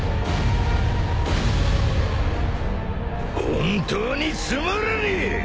本当につまらねえ！